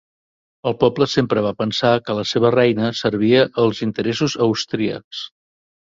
El poble sempre va pensar que la seva reina servia els interessos austríacs.